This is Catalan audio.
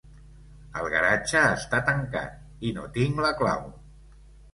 El garatge està tancat; i no tinc la clau.